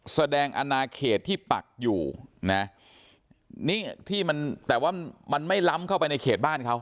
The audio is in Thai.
แสดงอนาเขตที่ปักอยู่นะนี่ที่มันแต่ว่ามันไม่ล้ำเข้าไปในเขตบ้านเขา